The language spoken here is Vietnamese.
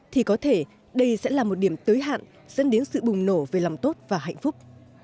thì có thể đây sẽ là một điểm tới hạn dẫn đến sự bùng nổ về lòng tốt và hạnh phúc